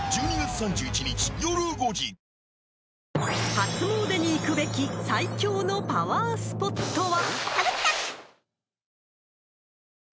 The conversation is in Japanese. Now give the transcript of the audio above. ［初詣に行くべき最強のパワースポットは］